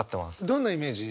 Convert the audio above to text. どんなイメージ？